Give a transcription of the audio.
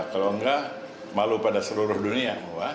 kalau enggak malu pada seluruh dunia